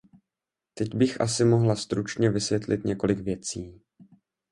Teď bych asi mohla stručně vysvětlit několik věcí.